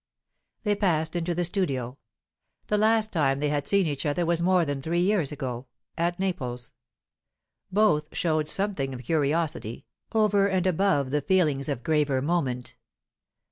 They passed into the studio. The last time they had seen each other was more than three years ago, at Naples; both showed something of curiosity, over and above the feelings of graver moment.